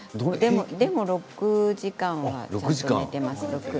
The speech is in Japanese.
でも６時間はちゃんと寝ています。